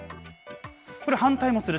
これ、反対もする。